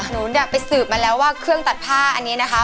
หนูเนี่ยไปสืบมาแล้วว่าเครื่องตัดผ้าอันนี้นะคะ